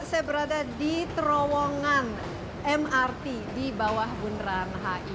saya berada di terowongan mrt di bawah bundaran hi